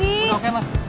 udah oke mas